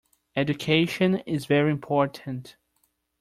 Education is very important.